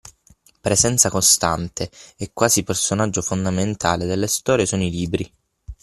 Presenza costante e quasi personaggio fondamentale delle storie sono i libri.